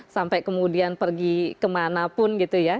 sampai kemudian pergi kemana pun gitu ya